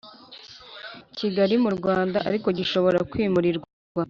Kigali mu Rwanda ariko gishobora kwimurirwa